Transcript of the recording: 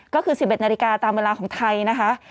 ก็คือ๑๑นาฬิกาตามเวลาของไทยนะคะ